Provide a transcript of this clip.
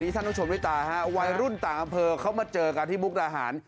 ท่านผู้ชมด้วยตาฮะวัยรุ่นต่างอำเภอเขามาเจอกันที่มุกดาหาร